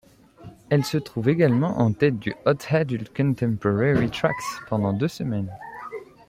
Elle se trouve également en tête du Hot Adult Contemporary Tracks pendant deux semaines.